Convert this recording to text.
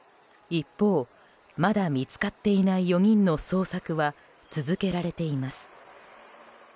一方、まだ見つかっていない４人の捜索は続けられています。